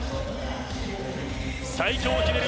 最強を決める